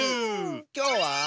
きょうは。